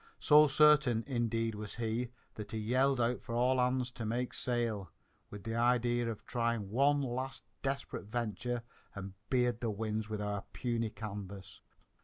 So certain, indeed, was he, that he yelled out for all hands to make sail, with the idea of trying one last desperate venture and beard the winds with our puny canvas.